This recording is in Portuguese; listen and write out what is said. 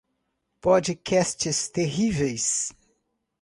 Podcasts terríveis